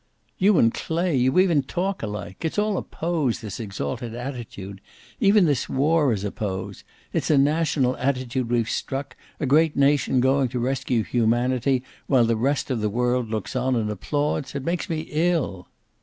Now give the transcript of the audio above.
"You and Clay! You even talk alike. It's all a pose, this exalted attitude. Even this war is a pose. It's a national attitude we've struck, a great nation going to rescue humanity, while the rest of the world looks on and applauds! It makes me ill."